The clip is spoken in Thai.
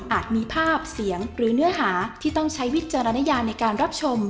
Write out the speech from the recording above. มีภาพเสียงหรือเนื้อหาที่ต้องใช้วิจารณญาในการรับชม